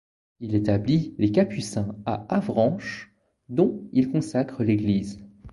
Il établit les Capucins à Avranches, dont il consacre l'église.